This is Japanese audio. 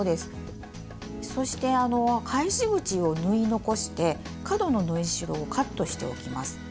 そして返し口を縫い残して角の縫い代をカットしておきます。